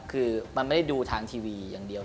คือมันไม่ได้ดูทางทีวีอย่างเดียว